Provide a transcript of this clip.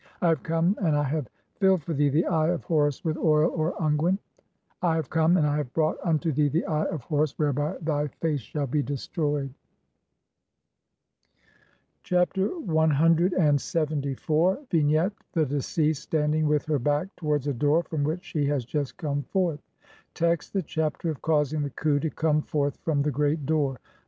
(46) "I have come, and I have filled for thee the Eye of "Horus [with] oil (or unguent). (47) "I have come, and I have brought unto thee the Eye of "Horus, whereby thy face shall be destroyed." Chapter CLXXIV. [From the Papyrus of Mut hetep (Brit. Mus. No. 10,010, sheet 3).] Vignette : The deceased standing with her back towards a door from which she has just come forth. Text : (1) The Chapter of causing the khu to come FORTH FROM THE GREAT DOOR.